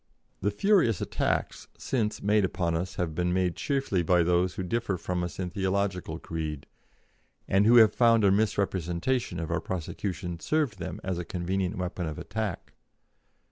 The furious attacks since made upon us have been made chiefly by those who differ from us in theological creed, and who have found a misrepresentation of our prosecution served them as a convenient weapon of attack.